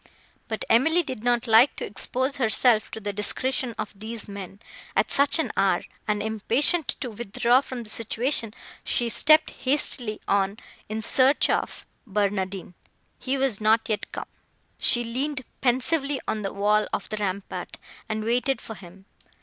But Emily did not like to expose herself to the discretion of these men, at such an hour; and, impatient to withdraw from the situation, she stepped hastily on in search of Barnardine. He was not yet come. She leaned pensively on the wall of the rampart, and waited for him.